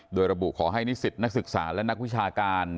โดยระบุขอให้นิสิตนักศึกษาและนักวิชาการ